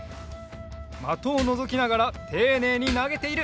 まとをのぞきながらていねいになげている。